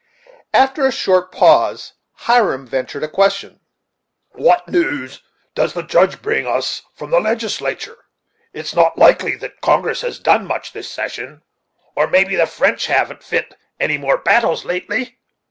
After a short pause, Hiram ventured a question: "What news does the Judge bring us from the Legislature? It's not likely that Congress has done much this session; or maybe the French haven't fit any more battles lately?"